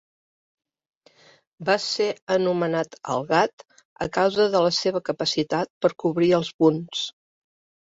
Va ser anomenat "el gat" a causa de la seva capacitat per cobrir els bunts.